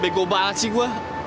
bego banget sih gua